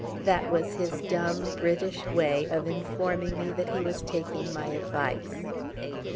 That was his dumb, British way of informing me that he was taking my advice.